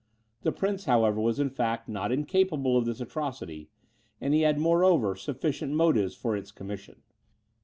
This prince, however, was in fact not incapable of this atrocity, and he had moreover sufficient motives for its commission.